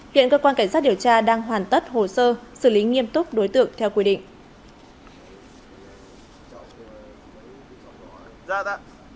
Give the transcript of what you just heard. hiện cơ quan cảnh sát điều tra đang hoàn tất hồ sơ xử lý nghiêm túc đối tượng theo quy định